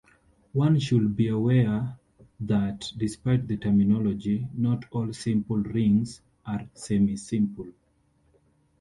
One should beware that despite the terminology, "not all simple rings are semisimple".